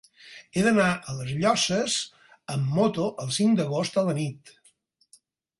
He d'anar a les Llosses amb moto el cinc d'agost a la nit.